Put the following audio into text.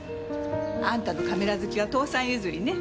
あんたのカメラ好きは父さん譲りね。